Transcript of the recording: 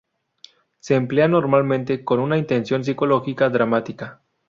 Se emplea normalmente con una intención psicológica, dramática.